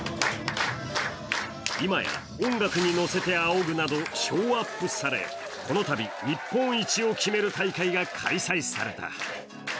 今や音楽の乗せてあおぐなどショーアップされ、このたび日本一を決める大会が開催された。